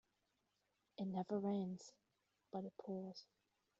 It never rains but it pours.